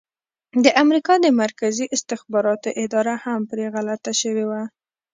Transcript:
د امریکا د مرکزي استخباراتو اداره هم پرې غلطه شوې وه.